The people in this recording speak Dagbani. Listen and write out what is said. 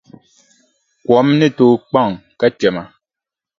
Kom ni tooi kpaŋ ka kpɛma.